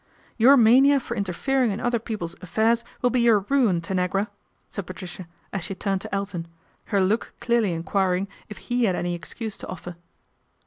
"Your mania for interfering in other people's affairs will be your ruin, Tanagra," said Patricia as she turned to Elton, her look clearly enquiring if he had any excuse to offer.